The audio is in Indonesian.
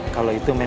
kalau itu makasih ya